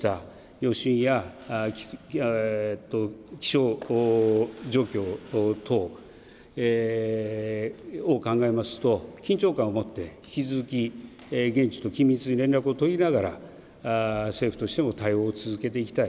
余震や気象状況等を考えますと緊張感をもって引き続き現地と緊密に連絡を取りながら政府としての対応を続けていきたい。